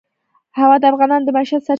هوا د افغانانو د معیشت سرچینه ده.